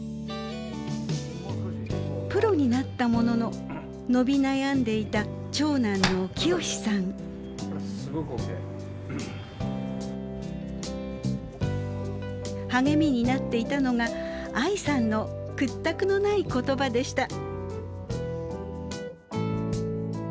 プロになったものの伸び悩んでいた励みになっていたのが藍さんの屈託のない言葉でした。